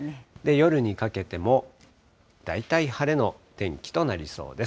夜にかけても、大体晴れの天気となりそうです。